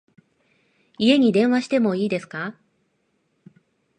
家に電話しても良いですか？